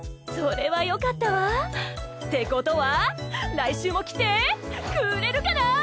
それはよかったわ。ってことは来週も来てくれるかな？